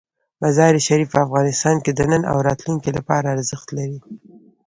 مزارشریف په افغانستان کې د نن او راتلونکي لپاره ارزښت لري.